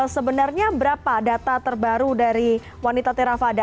sebenarnya berapa data terbaru dari wanita terafada